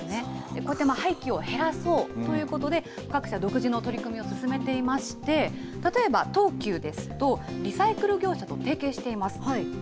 こうやって廃棄を減らそうということで、各社、独自の取り組みを進めていまして、例えば東急ですと、リサイクル業者と提携しています。